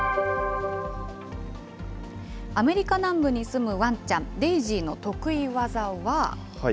アメリカ南部に住むワンちゃん、デイジーの得意技は。